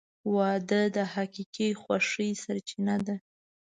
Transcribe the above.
• واده د حقیقي خوښۍ سرچینه ده.